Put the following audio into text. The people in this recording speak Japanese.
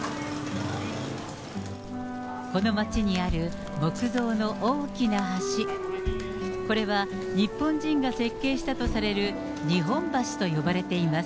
この町にある木造の大きな橋、これは、日本人が設計したとされる日本橋と呼ばれています。